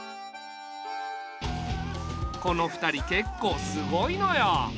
この２人けっこうすごいのよ。